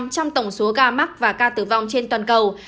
tám trong tổng số ca mắc và ca tử vong trên toàn cầu